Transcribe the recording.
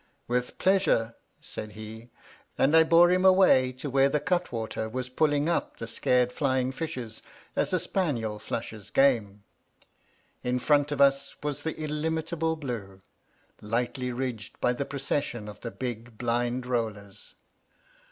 "With pleasure," said he, and I bore him away to where the cut water was pulling up the scared flying fishes as a spaniel flushes game. In front of us was the illimitable blue, lightly ridged by the procession of the big blind rollers.